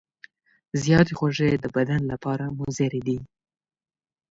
زیاتې خوږې د بدن لپاره مضرې دي.